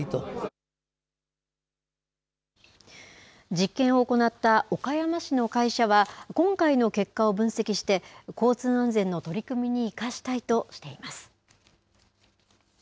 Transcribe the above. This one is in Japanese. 実験を行った岡山市の会社は今回の結果を分析して交通安全の取り組みに生かしたいとしています。